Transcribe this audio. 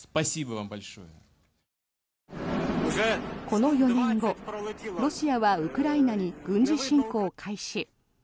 この４年後、ロシアはウクライナに軍事侵攻開始。